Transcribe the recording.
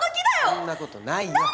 そんな事ないよ。